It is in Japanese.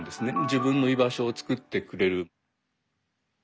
自分の居場所を作ってくれる。